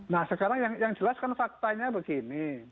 nah sekarang yang jelas kan faktanya begini